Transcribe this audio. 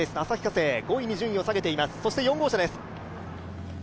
旭化成、５位に順位を下げています、そして４号車です。